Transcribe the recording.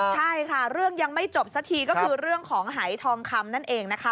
ใช่ค่ะเรื่องยังไม่จบสักทีก็คือเรื่องของหายทองคำนั่นเองนะคะ